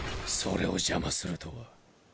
それを邪魔するとは！